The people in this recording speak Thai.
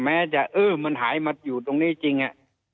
แม้จะเออมันหายมาอยู่ตรงนี้จริงอ่ะ